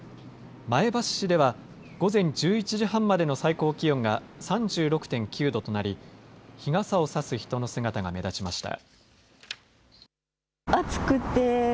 前橋市では午前１１時半までの最高気温が３６．９度となり日傘を差す人の姿が目立ちました。